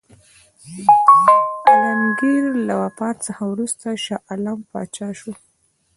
عالمګیر له وفات څخه وروسته شاه عالم پاچا شو.